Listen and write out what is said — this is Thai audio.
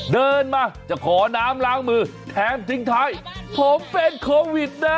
เดินมาจะขอน้ำล้างมือแถมทิ้งท้ายผมเป็นโควิดนะ